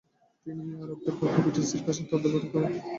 তিনি আরবদের পক্ষে ব্রিটিশদের কাছে তদবির করবে।